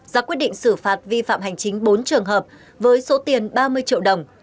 ra quyết định xử phạt vi phạm hành chính bốn trường hợp với số tiền ba mươi triệu đồng